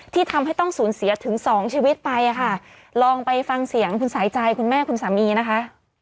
ที่ทำให้ต้องสูญเสียถึงสองชีวิตไปอ่ะค่ะลองไปฟังเสียงคุณสายใจคุณแม่คุณสามีนะคะ